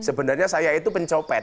sebenarnya saya itu pencopet